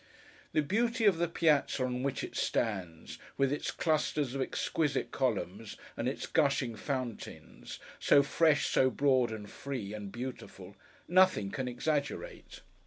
The beauty of the Piazza, on which it stands, with its clusters of exquisite columns, and its gushing fountains—so fresh, so broad, and free, and beautiful—nothing can exaggerate.